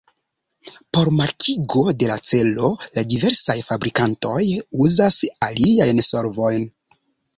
Por markigo de la celo la diversaj fabrikantoj uzas aliajn solvojn.